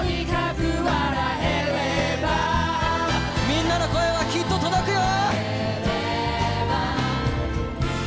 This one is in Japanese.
みんなの声はきっと届くよ！